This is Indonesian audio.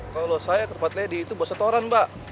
kalau saya tempat lady itu boset orang mbak